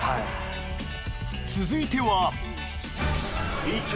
［続いては］